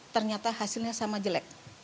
ternyata hasilnya sama jelek